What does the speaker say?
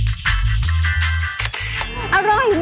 เพราะว่าผักหวานจะสามารถทำออกมาเป็นเมนูอะไรได้บ้าง